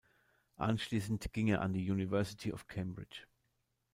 Anschließend ging er an die University of Cambridge.